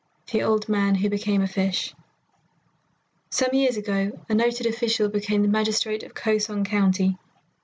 XIV THE OLD MAN WHO BECAME A FISH Some years ago a noted official became the magistrate of Ko song County.